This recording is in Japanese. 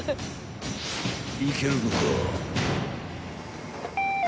［いけるのか？］